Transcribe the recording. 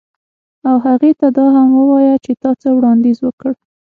او هغې ته دا هم ووایه چې تا څه وړاندیز وکړ